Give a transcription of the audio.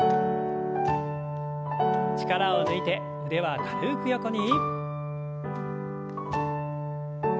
力を抜いて腕は軽く横に。